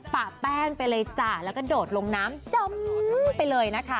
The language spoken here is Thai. ปะแป้งไปเลยจ้ะแล้วก็โดดลงน้ำจมไปเลยนะคะ